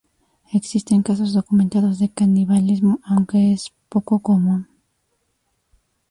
Existen casos documentados de canibalismo, aunque es poco común.